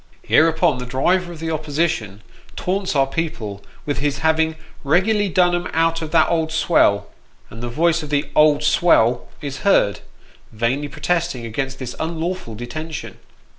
Hereupon the driver of the opposition taunts our people with his having " regularly done 'em out of that old swell," and the voice of the " old swell " is heard, vainly protesting against this unlawful detention.